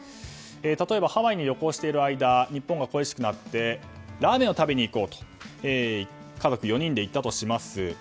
例えば、ハワイに旅行している間日本が恋しくなってラーメンを食べにいこうと家族４人で行ったとします。